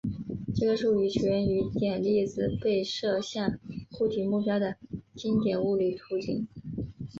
这个术语起源于点粒子被射向固体目标的经典物理图景。